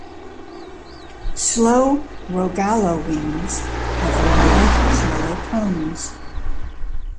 Slow Rogallo wings have wide, shallow cones.